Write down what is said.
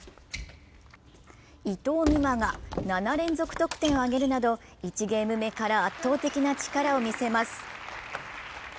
伊藤美誠が７連続得点を挙げるなど１ゲーム目から圧倒的な力を見せます。